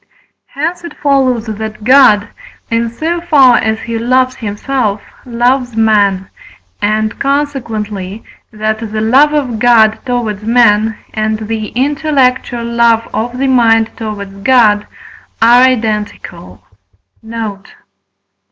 Hence it follows that God, in so far as he loves himself, loves man, and, consequently, that the love of God towards men, and the intellectual love of the mind towards God are identical. Note.